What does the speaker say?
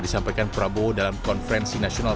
disampaikan prabowo dalam konferensi nasional